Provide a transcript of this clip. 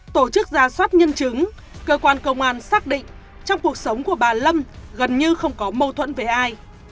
tổ chức ra soát nhân chứng cơ quan công an xác định trong cuộc sống của bà lâm gần như không có mâu thuẫn với ai